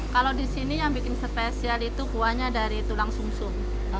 kalau di sini yang bikin spesial itu kuahnya dari tulang sungsum